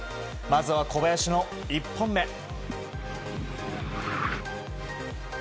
まずは小林の１本目。